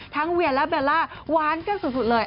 ทั้งเวียและเบลล่าว้านก็สุดเลย